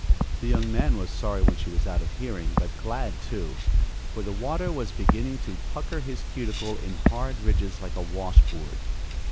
The young man was sorry when she was out of hearing, but glad, too, for the water was beginning to pucker his cuticle in hard ridges like a wash board.